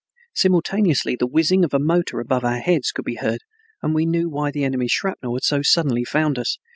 Simultaneously the whizzing of a motor above our heads could be heard and we knew why the enemy's shrapnel had so suddenly found us.